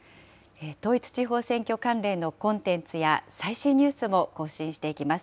統一地方選挙関連のコンテンツや最新ニュースも更新していきます。